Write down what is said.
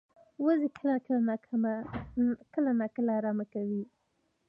وزې کله ناکله آرام کوي